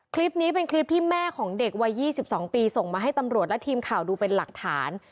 คลิปนี้เป็นคลิปที่แม่ของเด็กวัย๒๒ปีส่งมาให้ตำรวจและทีมข่าวดูเป็นหลักฐาน